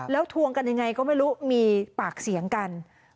แล้วทวงกันยังไงก็ไม่รู้มีปากเสียงกัน